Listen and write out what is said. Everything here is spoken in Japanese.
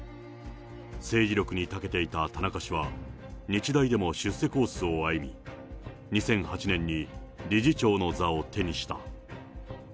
政治力にたけていた田中氏は、日大でも出世コースを歩み、２００８年に理事長の座を手にした。